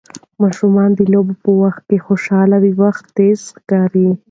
ماشومان د لوبو په وخت خوشحاله وي، وخت تېز ښکاري.